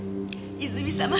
泉様。